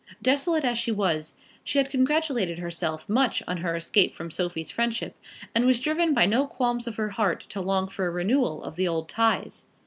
Desolate as she was, she had congratulated herself much on her escape from Sophie's friendship, and was driven by no qualms of her heart to long for a renewal of the old ties.